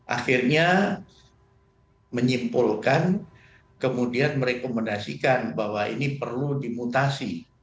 akhirnya menyimpulkan kemudian merekomendasikan bahwa ini perlu dimutasi